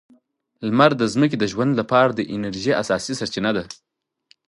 لمر د ځمکې د ژوند لپاره د انرژۍ اساسي سرچینه ده.